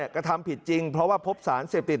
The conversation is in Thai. กระทำผิดจริงเพราะว่าพบสารเสพติด